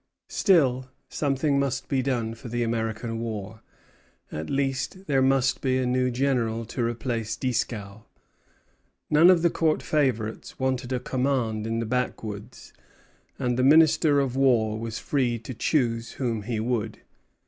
Still, something must be done for the American war; at least there must be a new general to replace Dieskau. None of the Court favorites wanted a command in the backwoods, and the minister of war was free to choose whom he would.